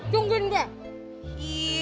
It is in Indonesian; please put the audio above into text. jangan berdiri deh